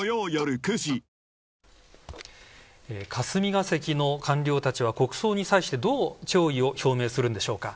霞が関の官僚たちは国葬に際してどう弔意を表明するんでしょうか。